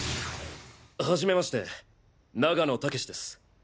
はじめまして永野剛士です。